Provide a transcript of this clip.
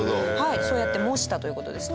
そうやって模したという事ですね。